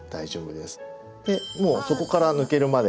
でもう底から抜けるまで。